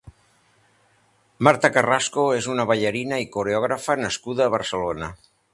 Marta Carrasco és una ballarina i coreògrafa nascuda a Barcelona.